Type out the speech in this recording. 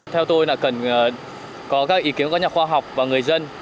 theo tôi là cần có các ý kiến các nhà khoa học và người dân